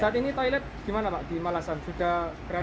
saat ini toilet gimana pak di malasan sudah berapa